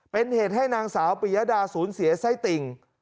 เป็นเหตุให้นางสาวปียดาสูญเสียไส้ติ่ง